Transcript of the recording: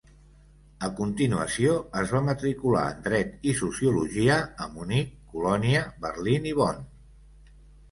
A continuació es va matricular en Dret i sociologia a Munic, Colònia, Berlín i Bonn.